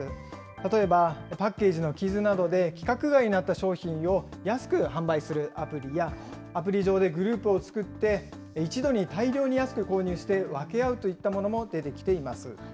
例えばパッケージの傷などで規格外になった商品を安く販売するアプリや、アプリ上でグループを作って、一度に大量に安く購入して分け合うといったものも出てきています。